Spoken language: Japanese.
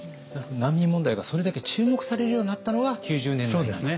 難民問題がそれだけ注目されるようになったのは９０年代なんだと。